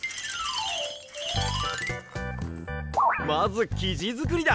まずきじづくりだ。